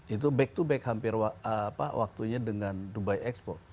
itu back to back hampir waktunya dengan dubai expo